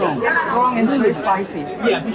sangat kuat dan pedas